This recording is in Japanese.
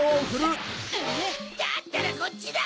だったらこっちだ！